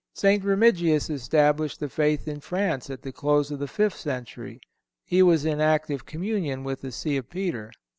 St. Remigius established the faith in France, at the close of the fifth century. He was in active communion with the See of Peter.